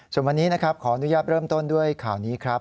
ส่วนวันนี้นะครับขออนุญาตเริ่มต้นด้วยข่าวนี้ครับ